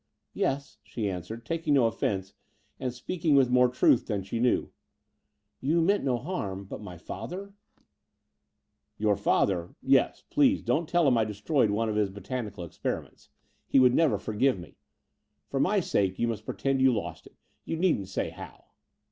"Yes," she answered, taking no offence and speaking with more truth than she knew, "you meant no harm: but my father ..." "Your father? Yes, please don't tell him I destroyed one of his botanical experiments: he Between London and Clsmiping 157 would never forgive me. For my sake you must pretend you lost it: you needn't say how."